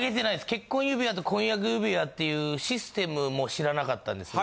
結婚指輪と婚約指輪っていうシステムも知らなかったんです。